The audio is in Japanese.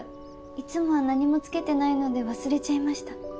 いつもは何も着けてないので忘れちゃいました。